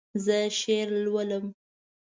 زه شعر لولم